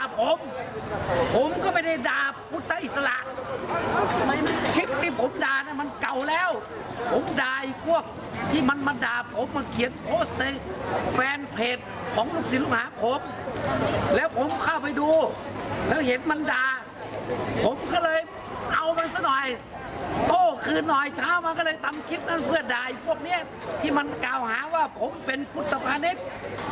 ผมก็เลยเอามันสักหน่อยโต้คืนน่อยเช้ามาก็เลยทำคลิปนั้นเพื่อด่ายพวกเนี้ยที่มันกล่าวหาว่าผมเป็นพุทธภาณิชย์